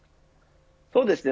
そうですね。